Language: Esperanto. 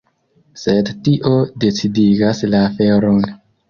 Sed tio decidigas la aferon.